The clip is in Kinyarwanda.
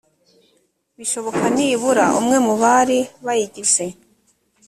bishoboka nibura umwe mu bari bayigize